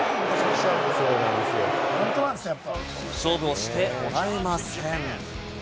勝負をしてもらえません。